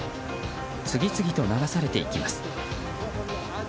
次々と流されていきます。